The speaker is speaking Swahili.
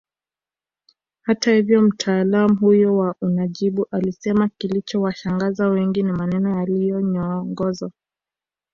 Hata hivyo mtaalam huyo wa unajimu alisema kilichowashangaza wengi ni maneno yaliyoongozwa